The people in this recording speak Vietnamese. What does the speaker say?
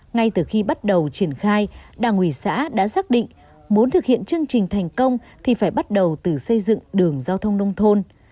ngay từ khi bắt đầu triển khai đảng ủy xã đã xác định muốn thực hiện chương trình thành công thì phải bắt đầu từ xây dựng đường giao thông nông thôn